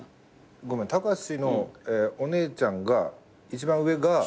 ごめん高史のお姉ちゃんが一番上が。